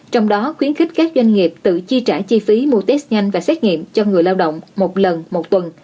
trong đó khuyến khích các doanh nghiệp tự chi trả chi phí mua test nhanh và xét nghiệm cho người lao động một lần một tuần